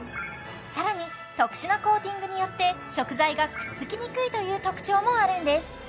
さらに特殊なコーティングによって食材がくっつきにくいという特徴もあるんです